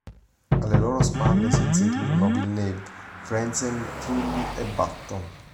Alle loro spalle si inserirono Villeneuve, Frentzen, Trulli e Button.